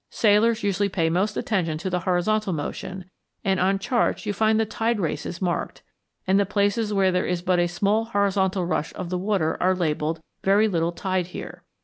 Sailors usually pay most attention to the horizontal motion, and on charts you find the tide races marked; and the places where there is but a small horizontal rush of the water are labelled "very little tide here."